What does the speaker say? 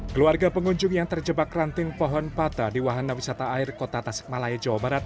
keluarga pengunjung yang terjebak ranting pohon patah di wahana wisata air kota tasikmalaya jawa barat